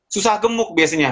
susah gemuk biasanya